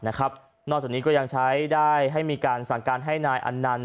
นอกจากนี้ก็ยังใช้ได้ให้มีการสั่งการให้นายอันนันต์